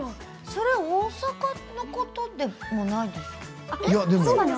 それ大阪のことでもないですよね。